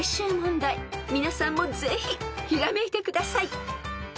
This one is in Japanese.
［皆さんもぜひひらめいてください］